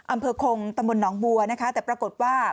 อำเภาของตำรวจน้องมัวแต่ปรากฏว่า